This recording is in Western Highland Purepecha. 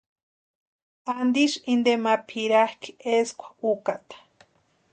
¿Antisï inteni ma pʼirakʼi eskwa ʼukataa?